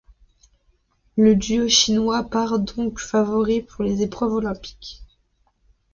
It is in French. Le duo chinois part donc favori pour les épreuves olympiques.